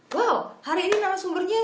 wow hari ini nama sumbernya